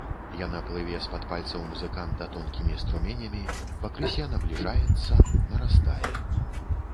Яна плыве з-пад пальцаў музыканта тонкімі струменямі, пакрысе набліжаецца, нарастае.